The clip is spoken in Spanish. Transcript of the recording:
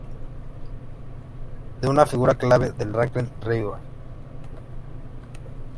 Fue una figura clave del Lakeland Revival.